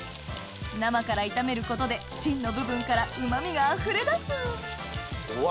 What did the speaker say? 生から炒めることで芯の部分からうまみがあふれ出すうわ